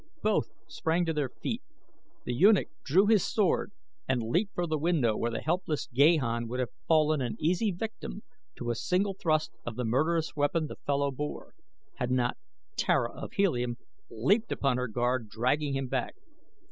Both sprang to their feet. The eunuch drew his sword and leaped for the window where the helpless Gahan would have fallen an easy victim to a single thrust of the murderous weapon the fellow bore, had not Tara of Helium leaped upon her guard dragging him back.